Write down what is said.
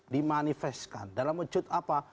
dimanifeskan dalam wujud apa